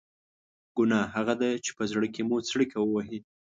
ګناه هغه ده چې په زړه کې مو څړیکه ووهي.